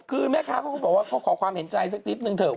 คือแม่ค้าเขาก็บอกว่าเขาขอความเห็นใจสักนิดนึงเถอะ